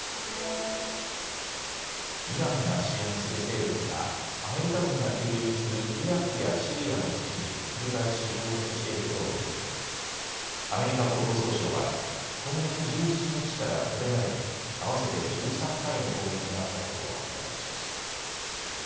イランが支援する勢力がアメリカ軍が駐留するイラクやシリアの基地に繰り返し攻撃していることを巡りアメリカ国防総省は今月１７日からこれまでに合わせて１３回の攻撃があったことを明らかにしました。